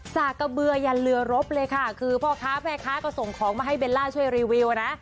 กระเบือยันเรือรบเลยค่ะคือพ่อค้าแม่ค้าก็ส่งของมาให้เบลล่าช่วยรีวิวนะ